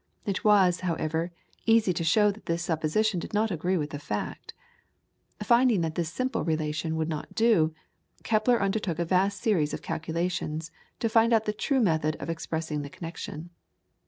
It was, however, easy to show that this supposition did not agree with the fact. Finding that this simple relation would not do, Kepler undertook a vast series of calculations to find out the true method of expressing the connection.